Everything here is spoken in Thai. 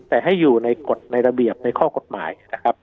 แต่ให้อยู่ในกฎในระเบียบในข้อกฎหมายนะครับ